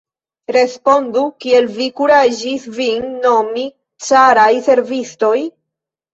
Respondu, kiel vi kuraĝis vin nomi caraj servistoj?